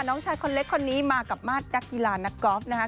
น้องชายคนเล็กคนนี้มากับมาตรนักกีฬานักกอล์ฟนะครับ